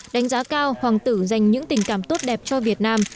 đánh giá cao hoàng tử dành những tình cảm tốt đẹp cho việt nam